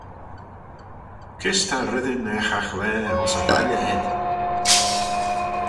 Kys ta reddyn er chaghlaa ayns y valley ayd?